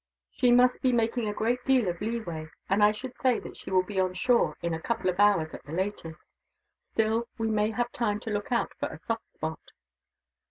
"She must be making a great deal of leeway, and I should say that she will be on shore in a couple of hours, at the latest. Still, we may have time to look out for a soft spot."